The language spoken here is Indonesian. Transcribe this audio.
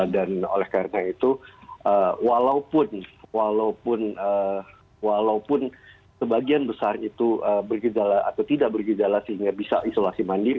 dan oleh karena itu walaupun sebagian besar itu bergejala atau tidak bergejala sehingga bisa isolasi mandiri